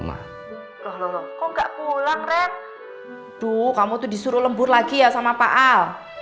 aduh kamu tuh disuruh lembur lagi ya sama pak al